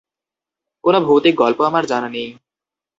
কোনো ভৌতিক গল্প আমার জানা নেই।